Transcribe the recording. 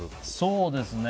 そうですね。